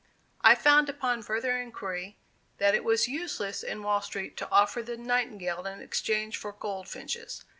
I found, upon further inquiry, that it was useless in Wall Street to offer the "Nightingale" in exchange for Goldfinches.